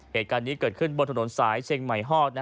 เหตุการณ์นี้เกิดขึ้นบนถนนสายเชียงใหม่ฮอก